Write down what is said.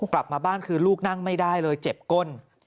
กลับมาบ้านคือลูกนั่งไม่ได้เลยเจ็บก้น